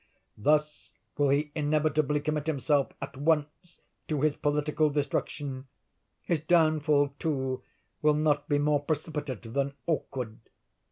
Thus will he inevitably commit himself, at once, to his political destruction. His downfall, too, will not be more precipitate than awkward.